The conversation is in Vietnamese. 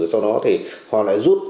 sau đó thì họ lại rút